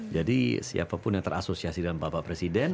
jadi siapapun yang terasosiasi dengan bapak presiden